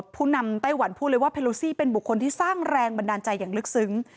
ผู้นำไต้หวันพูดเลยว่าเพลูซี่เป็นบุคคลที่สร้างแรงบันดาลใจอย่างลึกซึ้ง